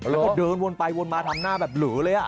แล้วก็เดินวนไปวนมาทำหน้าแบบหลือเลย